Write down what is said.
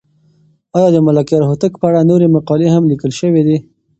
آیا د ملکیار هوتک په اړه نورې مقالې هم لیکل شوې دي؟